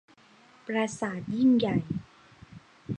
ปราสาทยิ่งใหญ่